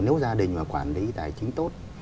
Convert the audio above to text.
nếu gia đình mà quản lý tài chính tốt